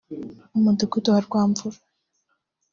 Umudugudu wa Rwamvura